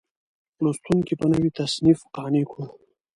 لوستونکي په نوي تصنیف قانع کړو.